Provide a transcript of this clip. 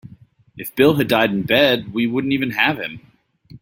If Bill had died in bed we wouldn't even have him.